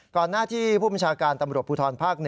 หน้าที่ผู้บัญชาการตำรวจภูทรภาค๑